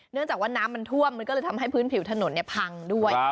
เนื่องจากว่าน้ำมันท่วมมันก็เลยทำให้พื้นผิวถนนพังด้วย